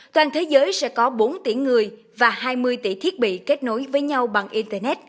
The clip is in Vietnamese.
toàn thế giới sẽ có bốn tỷ người và hai mươi tỷ thiết bị kết nối với nhau bằng internet